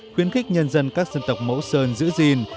khuyến khích nhân dân các dân tộc mẫu sơn giữ gìn